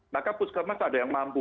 maka puskesmas ada yang mampu